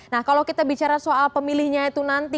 nah kalau kita bicara soal pemilihnya itu nanti